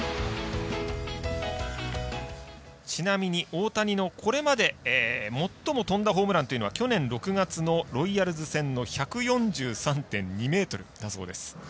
ちなみに、大谷のこれまで最も飛んだホームランというのは去年６月のロイヤルズ戦の１４３．２ｍだそうです。